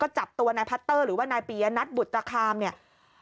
จับตัวนายพัตเตอร์หรือว่านายปียนัทบุตรคามเนี่ย